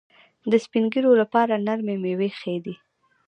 د سپین ږیرو لپاره نرمې میوې ښې دي.